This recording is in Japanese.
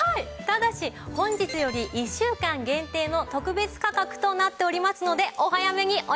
ただし本日より１週間限定の特別価格となっておりますのでお早めにお願いします。